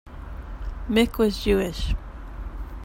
Mick was Jewish.